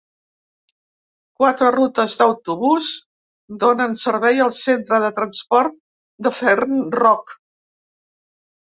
Quatre rutes d'autobús donen servei al centre de transport de Fern Rock.